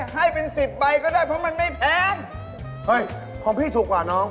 เฮ้ยของพี่ถูกว่าน้อง